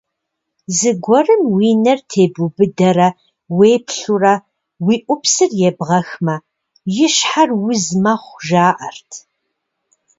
Зыгуэрым уи нэр тебубыдэрэ уеплъурэ уи ӏупсыр ебгъэхмэ, и щхьэр уз мэхъу, жаӏэрт.